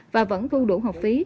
và vẫn thu đủ học phí